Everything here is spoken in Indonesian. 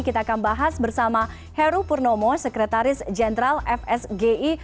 kita akan bahas bersama heru purnomo sekretaris jenderal fsgi